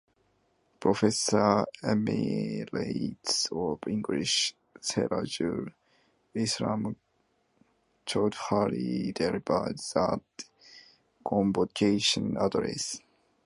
Professor Emeritus of English Serajul Islam Choudhury delivered the convocation address.